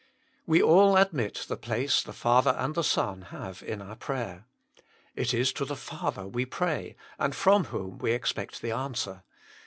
We all admit the place the Father and the Son have in our prayer. It is to the Father we pray, and from whom we expect the answer.